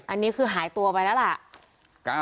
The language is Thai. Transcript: อันนี้คือหายตัวไปแล้วล่ะ